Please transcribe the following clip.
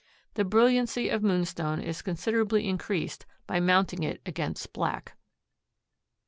The brilliancy of moonstone is considerably increased by mounting it against black.